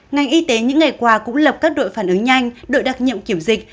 ngành y tế những ngày qua cũng lập các đội phản ứng nhanh đội đặc nhiệm kiểm dịch